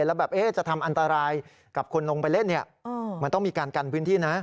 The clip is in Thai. แล้วแบบจะทำอันตรายกับคนลงไปเล่นมันต้องมีการกันพื้นที่นะ